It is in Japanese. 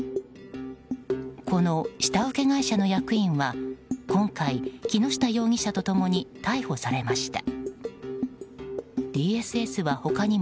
この下請け会社の役員は今回、木下容疑者と共に逮捕されました。